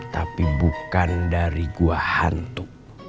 tapi bukan dari gua hantu